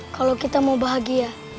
kalau kita mau bahagia